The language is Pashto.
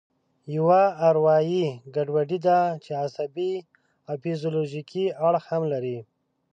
یوه اروایي ګډوډي ده چې عصبي او فزیولوژیکي اړخ هم لري.